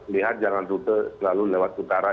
lihat jangan rute selalu lewat utara